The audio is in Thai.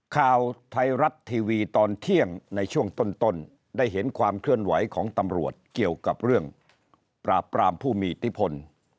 ข่าวไทยรัฐทีวีตอนเที่ยงในช่วงต้นได้เห็นความเคลื่อนไหวของตำรวจเกี่ยวกับเรื่องปราบปรามผู้มีอิทธิพล